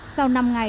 sau năm ngày